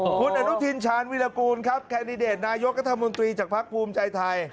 อ่าคุณอันุชินฉานวีรกูลครับคันดิเดตนายกธมตรีจากภาคภูมิใจ้ไทย